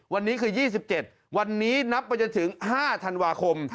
วันนี้คือ๒๗วันนี้นับไปจนถึง๕ธันวาคม